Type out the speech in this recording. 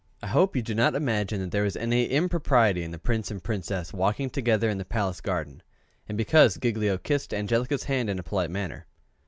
I hope you do not imagine that there was any impropriety in the Prince and Princess walking together in the palace garden, and because Giglio kissed Angelica's hand in a polite manner.